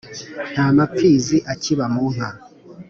nta mapfizi akiba mu nka,